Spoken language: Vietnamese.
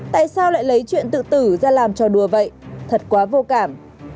tại sao lại lấy chuyện tự tử ra làm trò đùa vậy thật quá vô cảm